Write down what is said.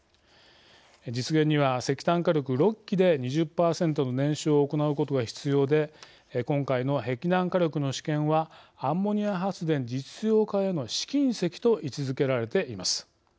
実現には石炭火力６基で２０％の燃焼を行うことが必要で今回の碧南火力の試験はアンモニア発電実用化への試金石と位置づけられています。